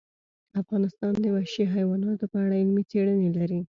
افغانستان د وحشي حیواناتو په اړه علمي څېړنې لري.